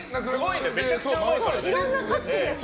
めちゃくちゃうまいからね。